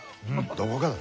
どこかだ。